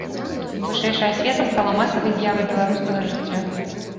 Вышэйшая асвета стала масавай з'явай беларускага жыцця.